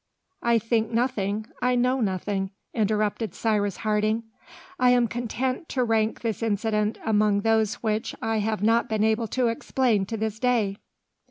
"I think nothing, I know nothing!" interrupted Cyrus Harding. "I am content to rank this incident among those which I have not been able to explain to this day!"